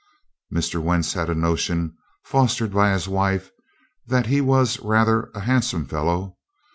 Mr. Wentz had a notion, fostered by his wife, that he was rather a handsome fellow.